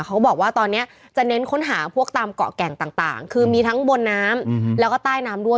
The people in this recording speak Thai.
เขาบอกว่าตอนนี้จะเน้นค้นหาพวกตามเกาะแก่งต่างคือมีทั้งบนน้ำแล้วก็ใต้น้ำด้วย